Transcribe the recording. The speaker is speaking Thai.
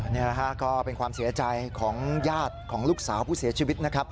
นี่แหละฮะก็เป็นความเสียใจของญาติของลูกสาวผู้เสียชีวิตนะครับ